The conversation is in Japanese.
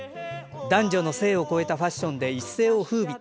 男女の性を超えたファッションで一世をふうび。